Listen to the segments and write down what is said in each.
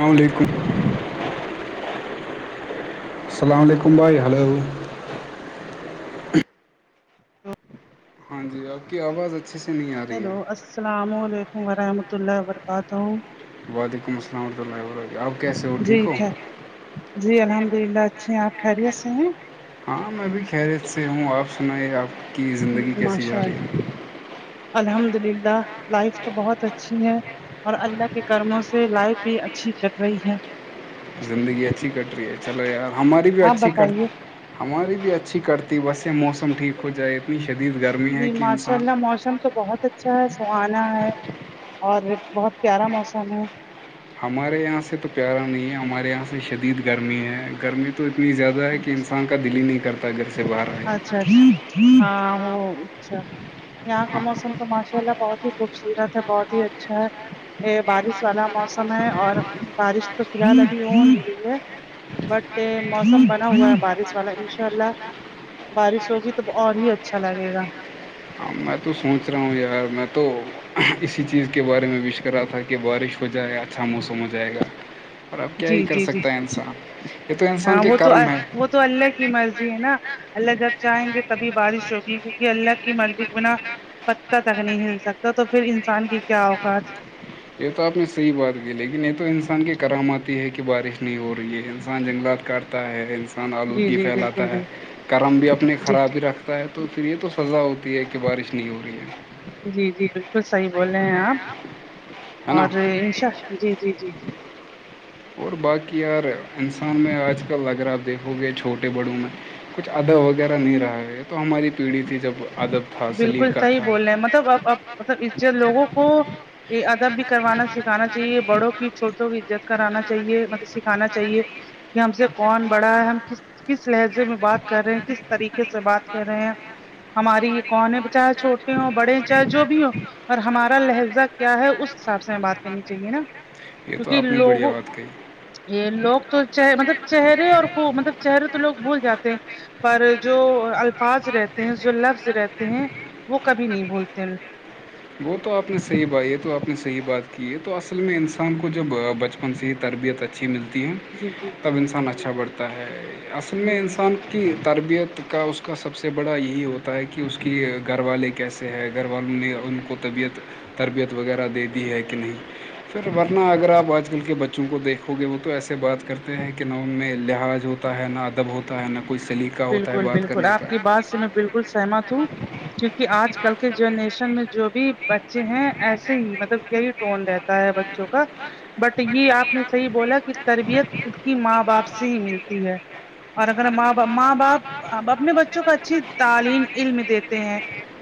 السلام علیکم السلام علیکم بھائی ہلو تو ہاں جی آپ کی آواز اچھے سے نہیں آ رہی ہے السلام علیکم ورحمۃ اللہ وبرکاتہ وعلیکم السلام حمۃ اللہ وبر آپ کیسے ہو ٹھیک ہو جی الحمد للہ اچھے ہیں آپ خیریت سے ہیں ہاں میں بھی خیریت سے ہوں آپ سنے آپ کی زندگی کیسی جا رہی ہے الحمد للہ لائف تو بہت اچھی ہے اور اللہ کے کرموں سے لائف بھی اچھی کر رہی ہے زندگی اچھی کٹ رہی ہے چلے یار ہماری بھی اچھی ہماری بھی اچھی کرتی ہے بس یہ موسم ٹھیک ہو جائے اتنی شدید گر جی ماشاء اللہ موسم تو بہت اچھا ہے سہانا ہے اور بہت پیارا موسم ہے ہمارے یہاں سے تو پیارا نہیں ہے ہمارے یہاں سے شدید گرمی ہے گرمی تو تو اتنی زیادہ ہے کہ انسان کا دل ہی نہیں کرتا گھر سے بات اچھا ہاں اچھا یہاں کا موسم تو ماشاء اللہ بہت ہی خوبصورت ہے بہت ہی اچھا ہے یہ بارش والا موسم ہے اور بارش تو فی الحال ابھی ہو نہیں رہی ہے بٹ موسم بنا ہوا ہے بارش والا انشاء اللہ بارش ہوگی تو اور ہی اچھا لگے گا میں تو سوچ رہا ہوں یار میں تو اسی چیز کے بارے میں وش کرا تھا کہ بارش ہو جائے اچھا موسم ہو جائے گا اور اب کیا ہی کر سکتا ہے انسان یہ تو انسان کے کرم ہے تو اللہ کی مرضی ہے نا اللہ جب چاہیں گے تبھی بارش ہوگی کیونکہ اللہ کی مرضی کے بنا پتہ تک نہیں ہل سکتا تو پھر انسان کی کیا اوقات یہ تو آپ نے صحیح بات کی لیکن یہ تو انسان کے کراماتتی ہے کہ بارش نہیں ہو رہی ہے انسان جنگلات کاٹ ہوتا ہے انسان آلودگی پھیلاتا ہے کرم بھی اپنے خراب ہی رکھتا ہے تو پ پھر یہ تو سزا ہوتی ہے کہ بارش نہیں ہو رہی ہے جی جی بالکل صحیح بول رہے ہیں آپ اور انشا جی جی جی اور باقی یار انسان میں آج کل اگر آپ دیکھو گے چھوٹے بڑوں میں کچھ ادب وغیرہ نہیں رہا ہے یہ تو ہماری پیڑھی تھی جب ادب بالکل صحیح بول رہے ہیں مطلب اب اب مطلب اس لوگوں کو یہ ادب بھی کروانا سکھانا چاہیے بڑوں کی چھوٹوں کی عزت کرانا چاہیے مطلب کھانا چاہیے کہ ہم سے کون بڑا ہے ہم کس کس لہجے میں بات کر رہے ہیں کس طریقے سے بات کر رہے ہیں ہماری کون ہے چاہے چھوٹے ہووں بڑے ہیں چاہے جو بھی ہو اور ہمارا لہجہ کیا ہے اس حساب سے ہم بات کرنی چاہے نا کیونکہ لوگوں یہ لوگ تو مطلب چہرے اور خو مطلب چہرے تو لوگ بھول جاتے پر جو الفاظ رہتے ہیں جو لفظ رہتے ہیں وہ کبھی نہیں بولتے ہیں وہ تو آپ نے صحیح بائی ہے تو آپ نے صحیح بات کی ہے تو اصل میں انسان کو جب بچ کون سی تربیت اچھی ملتی ہے تب انسان اچھا بڑھتا ہے اصل میں انسان کی تربیت کا اس کا سب سے بڑا یہی ہوتا ہے کہ اس کی گھر والے کیسے ہے گھر والوں نے ان کو طبیعت تربیت وغیرہ دے دی ہے کہ نہیں پھر ورنہ اگر آپ آج کل کے بچوں کو دیکھو گے وہ تو ایسے بات کرتے ہیں کہ نا میں لحاظ ہو ہے نہ ادب ہوتا ہے نہ کوئی سلیق بالکل بالکل آپ کی بات سے میں بالکل سہمت ہوں کیونکہ آج کل کے جنریشن میں جو بھی بچے ہیں ایسے ہی مطلب یہی ٹون رہتا ہے بچوں کا بٹ یہ آپ نے صحیح بولا کہ کی تربیت اس کی ماں باپ سے ہی ملتی ہے اور اگر ماں باپ ماں باپ ا اپنے بچوں کو اچھی تعلیم علم دیتے ہیں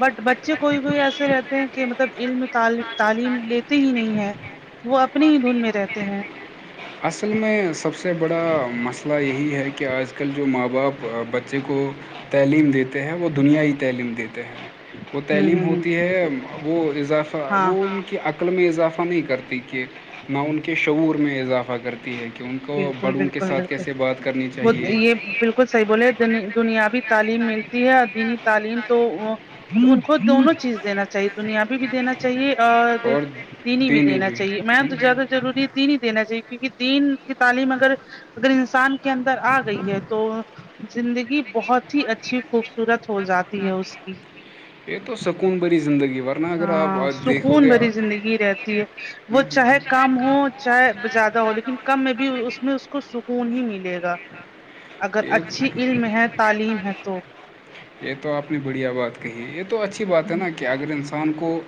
بٹ بچے کوئی کوئی ایسے رہتے ہیں کہ مطلب علم تعلیم لیتے ہی نہیں ہے وہ اپنے ہی دھن میں رہتے ہیں اصل میں سب سے بڑا مسئلہ یہی ہے کہ آجل آج کل جو ماں باپ بچے کو تعلیم دیتے ہیں وہ دنیائی تعلیم دیتے ہیں وہ تعلیم ہوتی ہے وہ اضافہ وہ ان کی شقل میں اضافہ نہیں کرتی کہ نہ ان کے شعور میں اضافہ کرتی تی ہے کہ ان کو بڑوں کے ساتھ کیسے بات کرنی چاہیے بالکل صحیح بولے دنیابی تعلیم ملتی ہے دینی تعلیم تو ان کو دونوں چیز دینا چاہیے دنیابی بھی دینا چاہیے اور دینی بھی دینا چاہیے میم تو زیادہ ضروری ڈیلی دینا چاہیے کیونکہ دین کتنا تعلیم اگر اگر انسان کے اندر آ گئی ہے تو زندگی بہت ہی اچھی خوبصورت ہو جاتی ہے اس کی یہ تو سکون بری زندگی ہاں سکون بھری زندگی رہتی ہے وہ چاہے کام ہو چاہے زیادہ ہو لیکن کم میں بھی اس میں اس کو سکون ہی ملے گا اگر اچھی علم ہے تعلیم ہے تو یہ تو آپ نے بڑھیا بات کہی ہے یہ تو اچھی بات ہے نا کہ اگر انسان کو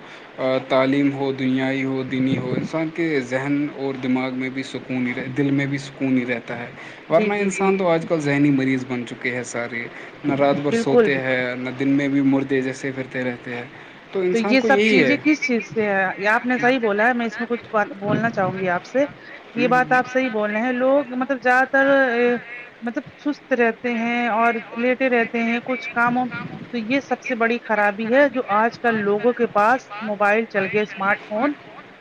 تعلیم ہو دنیائی ہو دینی ہو انسان کے ذہن اور دماغ میں بھی سکون کو نہیں رہے دل میں بھی [unintelligible] ہی رہتا ہے ورنہ انسان تو آج کل ذہنی مریض بن چکے ہیں سارے نہ رات بھر سوتے ہیں نہ دن میں بھی مردے جیسے پھرتے رہتے ہیں تو یہ سب چیزیں کس چیز سے ہے آپ نے صحیح بولا ہے میں اس میں کچھ بولنا چاہوں گی آپ سے یہ بات آپ صحیح بول رہے ہیں لوگ مطلب زیادہ تر مطلب سست رہتے ہیں اور لیٹے رہتے ہیں کچھ کاموں تو یہ سب سے بڑی خرابی ہے جو آج کا کل لوگوں کے پاس موبائل چل گئے اسمارٹ فون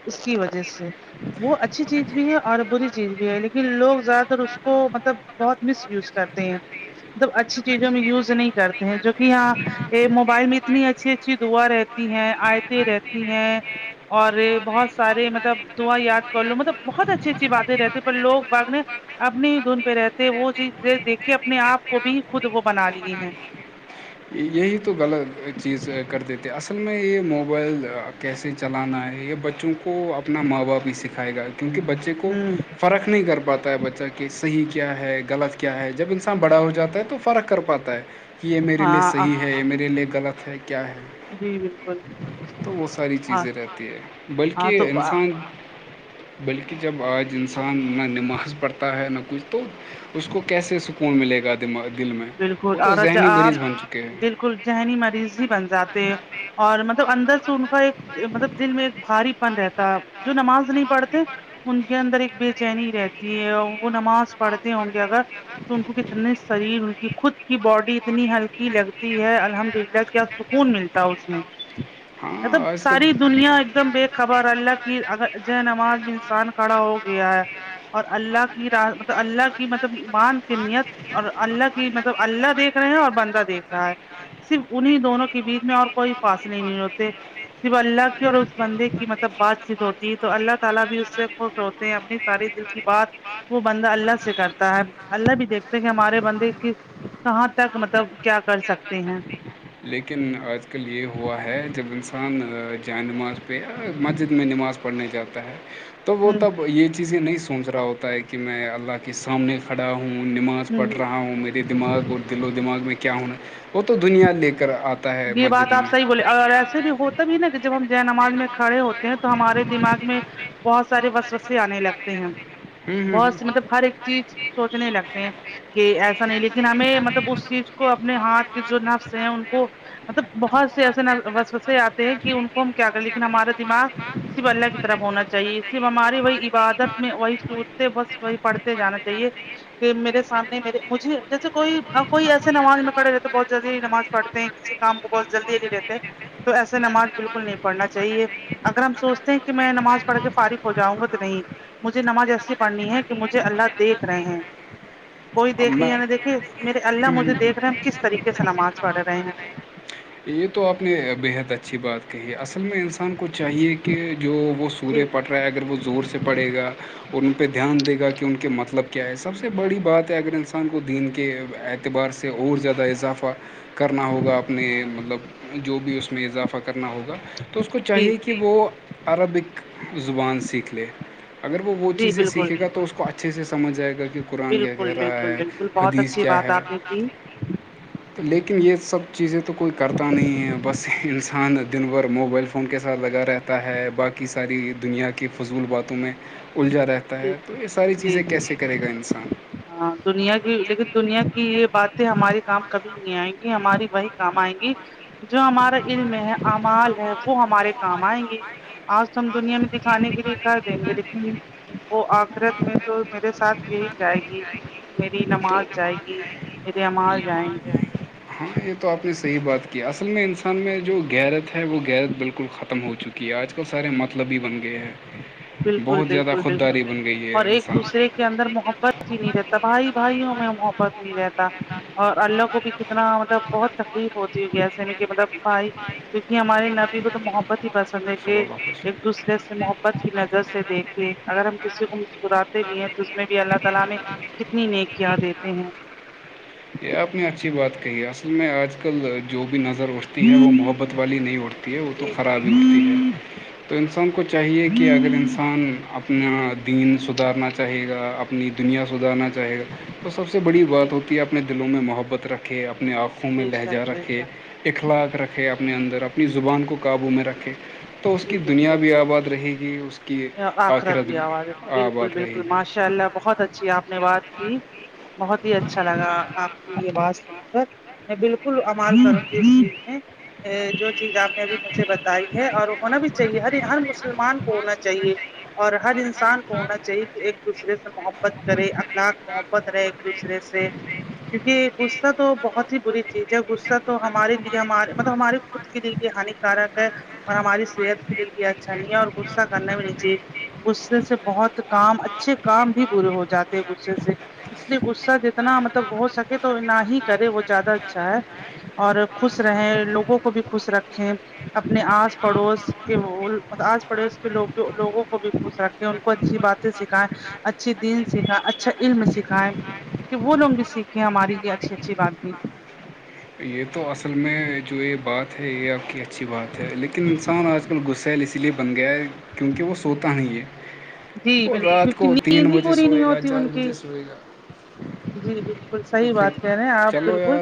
اس کی وجہ سے وہ اچھی چیز بھی ہے اور بری چیز بھی ہے لیکن لوگ زیادہ تر اس کو مطلب بہت مس یوز کرتے ہیں مطلب اچھی چیزوں میں یوز نہیں کرتے ہیں جو کہ یہاں یہ موبائل میں اتنی اچھی اچھی رہتی ہیں آیتیں رہتی ہیں اور بہت سارے مطلب دعا یاد کر لو مطلب بہت اچھی اچھی باتیں رہتے ہیں پر لوگ باگنے اپنی ہی دھن پہ رہتے تو وہ چیز دیکھے اپنے آپ کو بھی خود وہ بنا لیے ہیں کر دیتے اصل میں یہ موبائل کیسے چلانا ہے یہ بچوں کو اپنا ماں باپ ہی سکھائے گا کیونکہ بچے کو فرق نہیں کر پاتا ہے بچہ کہ صحیح کیا ہے غلط کیا ہے جب انسان بڑا ہو جاتا ہے تو فرق کر پاتا ہے کہ یہ میرے لیے صحیح ہے یہ میرے لیے غلط ہے کیا ہے جی بالکل تو وہ ساری چیزیں رہتی ہے بلکہ انسان بلکہ جب آج انسان نہ نماز پڑھتا ہے نہ کچھ تو اس کو کیسے سکون ملے گا دماغ دل میں وہ تو ذہنی مریض بن چکے ہیں ذہنی مریض ہی بن جاتے اور مطلب اندر سے ان کا ایک مطلب دل میں ایک بھاری پن رہتا جو نماز نہیں پڑھتے ان کے اندر ایک بے چینی رہتی ہے اور وہ نماز پڑھتے ہوں گے اگر ان کو کتنے شریر کہ خود کی باڈی اتنی ہلکی لگتی ہے الحمد للہ کیا سکون ملتا ہے اس میں مطلب ساری دنیا ایک دم خبر اللہ کی اگر جے نماز بھی انسان کھڑا ہو گیا ہے اور اللہ کی مطلب اللہ کی مطلب مان کی نیت اور اللہ کی مطلب اللہ دیکھ رہے ہیں اور بندہ دیکھ رہا ہے صرف انہیں دونوں کے بیچ میں اور کوئی پاس نہیں نہیں ہوتے صرف اللہ کی اور اس بندے کی مطلب بات چیت ہوتی تو اللہ تعالی بھی اس سے خوش ہوتے ہیں اپنی ساری دل کی بات وہ بندہ اللہ سے کرتا ہے اللہ بھی دیکھتے کہ ہمارے بندے کہاں تک مطلب کیا کر سکتے ہیں لیکن آج کل یہ ہوا ہے جب انسان جائے نماز پہ یا مسجد میں نماز پڑھنے جاتا ہے توب وہ تب یہ چیزیں نہیں سوچ رہا ہوتا ہے کہ میں اللہ کے سامنے کھڑا پڑھا ہوں نماز پڑھ رہا ہوں میرے دماغ اور دل و دماغ میں کیا ہونا [inaudible] یہ بات آپ صحیح بولے اور ایسے بھی ہوتا بھی نا کہ جب ہم جے نماز میں کھڑے ہوتے ہیں تو ہمارے دماغ میں بہت سارے وس و سے آنے لگتے ہیں بہت س مطلب ہر ایک چیز سوچنے لگتے ہیں کہ ایسا نہیں لیکن ہمیں مطلب اس چیز کو اپنے ہاتھ جو نفس ہیں ان کو مطلب بہت سے ایسے وسسے آتے ہیں کہ ان کو ہم کر لیکن ہمارا دماغ صرف اللہ کی طرف ہونا چاہیے صرف ہماری وہی عبادت میں وہی صورتیں بس وہی پڑھتے جانا چاہیے کہ میرے سامنے میرے مجھے جیسے کوئی کوئی ایسے نماز میں کھڑے رہے تو بہت نماز پڑھتے ہیں کسی کام کو بہت جلدی ہیلی رہتے ہیں تو ایسے نماز بالکل نہیں پڑھنا چاہیے اگر ہم سوچتے ہیں کہ میں نماز پڑھ کے فارغ ہو جاؤں گا تو نہیں مجھے نماز ایسی پڑھنی ہے کہ مجھے اللہ دیکھ ہیں کوئی دیکھے یا نہیں دیکھے میرے اللہ مجھے دیکھ رہے ہیں ہم کس طریقے س نماز پڑھ رہے ہیں یہ تو آپ نے بےحد اچھی بات کہی ہے اصل میں انسان سان کو چاہیے کہ جو وہ سورج پٹ اگر وہ زور سے پڑھے گا اور ان پہ دھیان دے گا کہ ان کے مطلب کیا ہے سب سے بڑی بات ہے اگر انسان کو دین کے اعتبار سے اور زیادہ اضافہ کرنا ہوگا اپنے مطلب جو بھی اس میں اضافہ کرنا ہوگا تو اس کو چاہیے کہ وہ عربک زبان سیکھ لے اگر وہ چیزیں سیکھے گا تو اس کو اچھے سے سمجھ جائے گا کہ قرآن کیا کہہ رہا ہے حدیث کیا ہے لیکن یہ سب چیزیں تو کوئی کرتا نہیں ہے بس انسان دن بھر موبائل فون کے ساتھ لگا رہا تا ہے باقی ساری دنیا کی فضول باتوں میں الجا رہتا ہوتا ہے تو یہ ساری چیزیں کیسے کرے گا انسان ہاں دنیا کی لیکن دنیا کی یہ باتیں ہمارے کام کبھی نہیں آئیں گی ہماری وہی کام آئیں گی جو ہمارا علم ہے امال ہے وہ ہمارے کام آئیں گے آج تو ہم دنیا میں دکھانے کے لیے کر دیں گے لیکن وہ آخرت میں تو میرے ساتھ یہی جائے گی میری نماز جائے گی یر امال جائیں گے ہاں یہ تو آپ نے صحیح بات کیا اصل میں انسان میں جو غیرت ہے وہ غیرت بالکل ختم ہو چکی ہے آج کل سارے مطلب ہی بن گئے ہیں بالکل بالکل بالکل اور ایک دوسرے کے اندر محبت ہی نہیں رہتا بھائی بھائیوں میں محبت نہیں رہتا اور اللہ کو بھی کتنا مطلب بہت تکلیف ہوتی ہو گسے میں مطلب بھائی کیونکہ ہمارے نبی کو تو محبت ہی پسند ہے کہ ایک دوسرے سے محبت کی نظر سے دیکھے اگر ہم کسی کو مسکراتے بھی ہیں تو اس میں بھی اللہ تعالی نے کتنی نیک کیا دیتے ہیں یہ آپ نے اچھی بات کہی اصل میں آج کل جو بھی نظر تی ہے وہ محبت والی نہیں اٹھتی ہے وہ تو خراب ہی اٹھتی ہے تو انسان کو چاہیے کہ اگر انسان اپنا دین سدھارنا چاہیے گا اپ اپنی دنیا سدھارنا چاہے گا تو سب سے بڑی بات ہوتی ہے اپنے دلوں میں محبت رکھے اپنے آپ آنکھوں میں لہجہ رکھے اخلاق رکھے اپنے اندر اپنی زبان کو قابو میں رکھے تو اس کی دنیا بھی آباد رہے گی اس آخرت بھی اباد ہے بالکل بالکل ماشاء اللہ بہت اچھی آپ نے بات بہت ہی اچھا لگا آپ کی یہ آواز سن کر میں بالکل بالکل امال کروں گی اس چیز میں جو چیز آپ نے ابھی مجھے بتائی ہے اور ہونا بھی چاہیے ہر ہر مسلمان کونا چاہیے ہر انسان کو ہونا چاہیے کہ ایک دوسرے سے محبت کرے اخلاق محبت رہے ایک دوسرے سے کیونکہ غصہ تو بہت ہی بری چیز ہے غہ ا تو ہمارے لیے ہمارے مطلب ہمارے خود کے لیے یہ ہانیکارک ہے اور ہماری صحت کے لیے بھی اچھا نہیں ہے اور غصہ کرنا بھی نہیں چاہیے غصے سے بہت کام اچھے کام بھی بورے ہو جاتے ہیں غصے سے اس لیے غصہ جتنا مطلب ہو سکے تو نہ ہی کرے وہ زیادہ اچھا ہے اور خوش رہیں لوگوں کو بھی خوش رکھیں اپنے آس پڑوس کے آس پڑوس لوگ لوگوں کو بھی خوش رکھے ان کو اچھی باتیں سکھائائے اچھے دین سکھائے اچھا علم سکھائے کہ وہ لوگ بھی سیکھیں ہماراری لی اچھی اچھی بات بھی یہ تو اصل میں جو یہ بات ہے یہ آپ کی اچھی بات ہے لیکن انسان آج بالکل غسل اسی لیے بن گیا ہے کیونکہ وہ سوتا نہیں ہے اور رات کو تین بجے سوئے گا چار بجے سوئے گا جی بالکل صحیح بات کہہ رہے ہیں آپ بالکل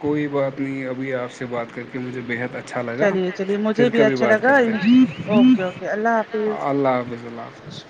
کوئی بات نہیں ابھی آپ سے بات کر کے مجھے بےحد اچ اچھا لگا پھر کبھی بات کرتے ہیں اللہ حافظ اللہ حافظ